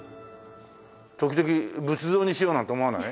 時々仏像にしようなんて思わない？